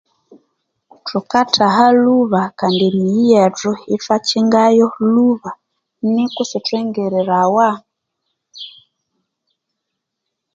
Thukathaha lhuba Kandi emiyi yethu ithwakyingayo lhuba niku isithwingirirawa